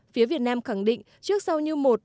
phía việt nam khẳng định trước sau như một